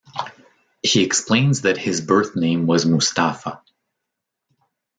He explains that his birth name was Mustafa.